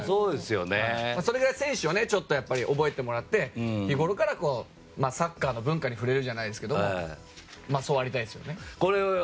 それぐらい選手を覚えてもらって日ごろから、サッカーの文化に触れるじゃないですけれどもそうありたいですよね。